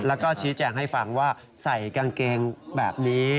แล้วก็ชี้แจงให้ฟังว่าใส่กางเกงแบบนี้